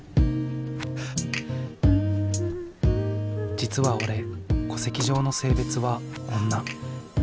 実は俺戸籍上の性別は女。